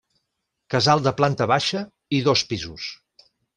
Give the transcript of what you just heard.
Casal de planta baixa i dos pisos.